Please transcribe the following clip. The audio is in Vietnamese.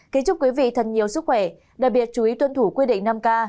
kính chúc quý vị thân nhiều sức khỏe đặc biệt chú ý tuân thủ quy định năm k